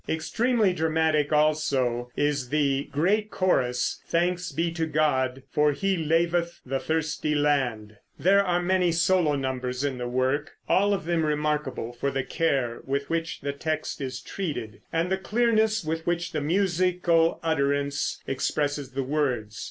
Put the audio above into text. Extremely dramatic, also, is the great chorus "Thanks Be to God, for He Laveth the Thirsty Land." There are many solo numbers in the work, all of them remarkable for the care with which the text is treated, and the clearness with which the musical utterance expresses the words.